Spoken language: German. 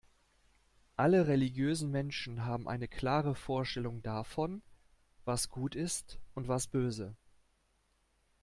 Alle religiösen Menschen haben eine klare Vorstellung davon, was gut ist und was böse.